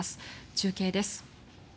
中継です。